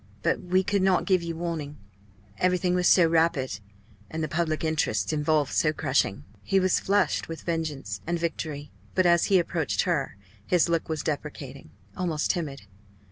But we could not give you warning. Everything was so rapid, and the public interests involved so crushing." He was flushed with vengeance and victory, but as he approached her his look was deprecating almost timid.